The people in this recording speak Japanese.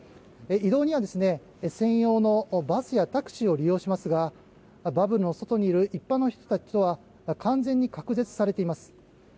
移動には専用のバスやタクシーを利用しますがバブルの外にいる一般の人たちとは完全に隔絶されています。